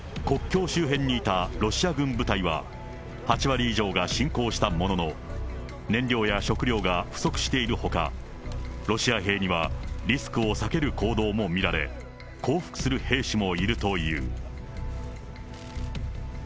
国境周辺にいたロシア軍部隊は、８割以上が侵攻したものの、燃料や食料が不足しているほか、ロシア兵にはリスクを避ける行動も見られ、降伏する兵士もいるという。